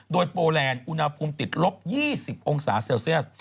โดยโปแลนด์อุณหภูมิติดลบ๒๐องศาเซลเซียส